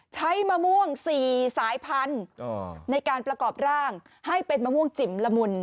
มะม่วง๔สายพันธุ์ในการประกอบร่างให้เป็นมะม่วงจิ่มละมุน